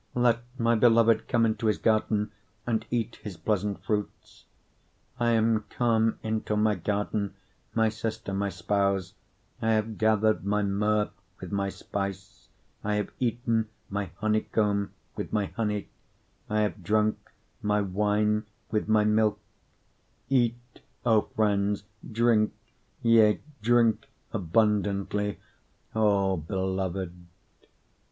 Let my beloved come into his garden, and eat his pleasant fruits. 5:1 I am come into my garden, my sister, my spouse: I have gathered my myrrh with my spice; I have eaten my honeycomb with my honey; I have drunk my wine with my milk: eat, O friends; drink, yea, drink abundantly, O beloved.